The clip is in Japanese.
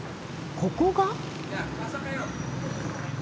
ここが？